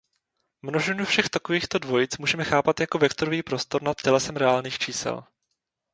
Množinu všech takovýchto dvojic můžeme chápat jako vektorový prostor nad tělesem reálných čísel.